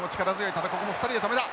ただここも２人で止めた。